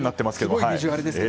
すごいビジュアルですが。